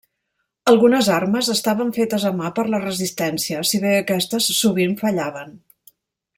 Algunes armes estaven fetes a mà per la Resistència, si bé aquestes sovint fallaven.